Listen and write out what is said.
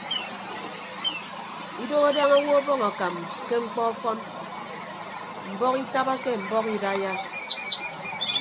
Idooho daña owo ọbọñ akam ke mkpọ ọfọn mbọhọ itabake mbọhọ idaiya.